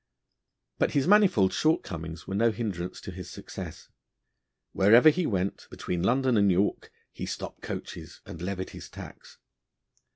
But his manifold shortcomings were no hindrance to his success. Wherever he went, between London and York, he stopped coaches and levied his tax.